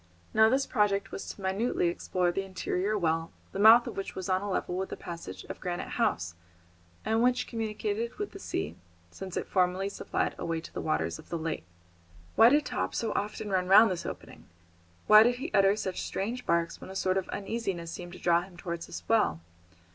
Now this project was to minutely explore the interior well, the mouth of which was on a level with the passage of Granite House, and which communicated with the sea, since it formerly supplied a way to the waters of the lake. [Illustration: HE SAW NOTHING SUSPICIOUS] Why did Top so often run round this opening? Why did he utter such strange barks when a sort of uneasiness seemed to draw him towards this well.